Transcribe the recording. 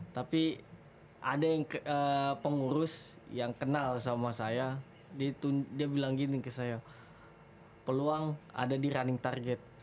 tapi ada yang pengurus yang kenal sama saya dia bilang gini ke saya peluang ada di running target